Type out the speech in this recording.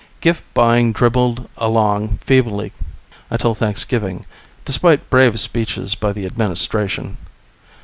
Gift buying dribbled along feebly until Thanksgiving, despite brave speeches by the Administration.